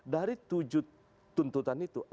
dari tujuh tuntutan itu